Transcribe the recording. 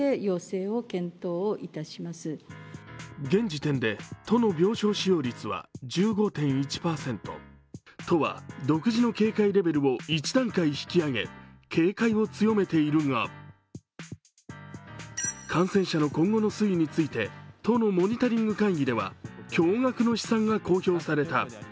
現時点で都の病床使用率は１５．１％都は独自の警戒レベルを１段階引き上げ警戒を強めているが感染者の今後の推移について都のモニタリング会議では驚がくの試算が公表された。